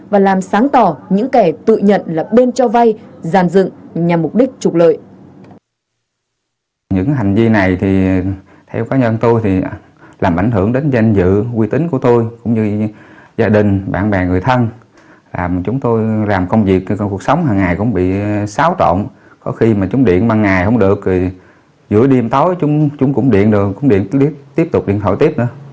và làm sáng tỏ những kẻ tự nhận là bên cho vai giàn dựng nhằm mục đích trục lợi